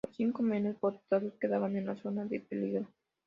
Los cinco menos votados quedaban en zona de peligro.